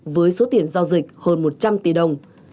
với số tiền giao dịch hơn một trăm linh tỷ đồng